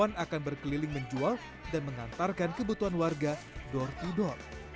korban akan berkeliling menjual dan mengantarkan kebutuhan warga door to door